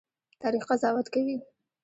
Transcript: تاریخ قضاوت کوي